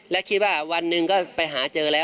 และคิดว่าวันหนึ่งก็ไปหาเจอแล้ว